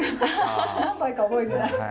何杯か覚えてない？